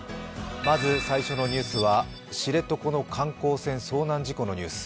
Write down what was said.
まず最初のニュースは、知床の観光船遭難事故のニュース。